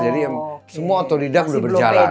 jadi semua otolidak udah berjalan